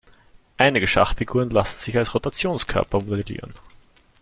Einige Schachfiguren lassen sich als Rotationskörper modellieren.